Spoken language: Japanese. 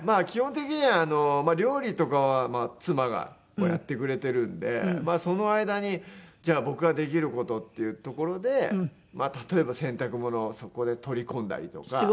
基本的には料理とかは妻がやってくれてるんでその間にじゃあ僕ができる事っていうところでまあ例えば洗濯物をそこで取り込んだりとか。